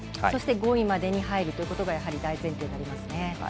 そして５位までに入るということが大前提になりますね。